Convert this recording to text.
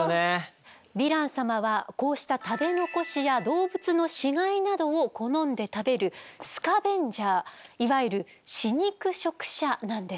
ヴィラン様はこうした食べ残しや動物の死骸などを好んで食べるスカベンジャーいわゆる死肉食者なんです。